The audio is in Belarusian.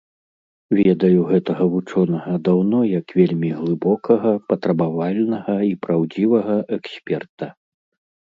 Ведаю гэтага вучонага даўно як вельмі глыбокага, патрабавальнага і праўдзівага эксперта.